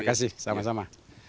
terima kasih sama sama